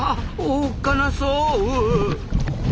おっかなそう。